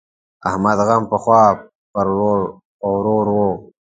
احمد غم پخوا پر ورور وو.